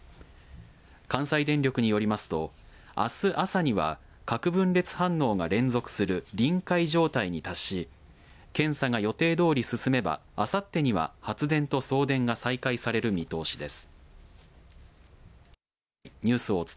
関西電力によりますとあす朝には核分裂反応が連続する臨界状態に達し検査が予定どおり進めばあさってには発電と送電が再開される見通しです。